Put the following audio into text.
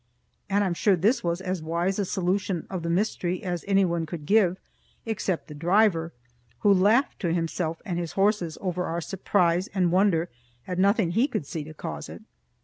And I'm sure this was as wise a solution of the mystery as anyone could give, except the driver, who laughed to himself and his horses over our surprise and wonder at nothing he could see to cause it.